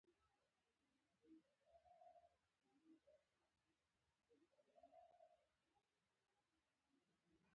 او داسي یې ولیکئ